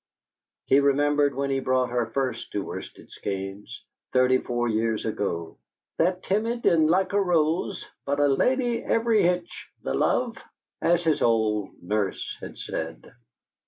He remembered when he brought her first to Worsted Skeynes thirty four years ago, "That timid, and like a rose, but a lady every hinch, the love!" as his old nurse had said.